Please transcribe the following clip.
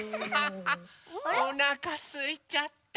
おなかすいちゃった。